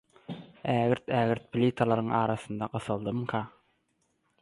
Ägirt-ägirt plitalaryň arasynda gysyldymyka?